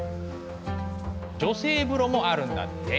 女性風呂もあるんだって。